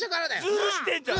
ズルしてんじゃん！